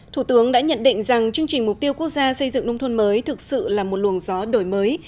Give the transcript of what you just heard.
thủ tướng đã nhận định rằng chương trình mục tiêu quốc gia xây dựng nông thôn mới thực sự là một luồng gió đổi mới